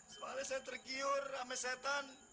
soalnya saya tergiur rame setan